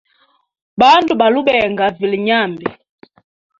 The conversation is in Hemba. Bandu balu benga vilye nyambi.